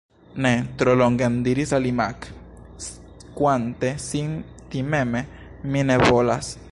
"Ne! Tro longen!" diris la limak', skuante sin timeme,"Mi ne volas."